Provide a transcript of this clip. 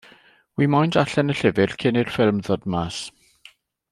Wi moyn darllen y llyfr cyn i'r ffilm ddod mas.